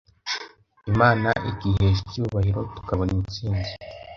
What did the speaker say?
Imana ikihesha icyubahiro tukabona intsinzi.